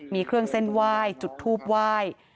มีเครื่องเส้นไหว้จุดทูบไหว้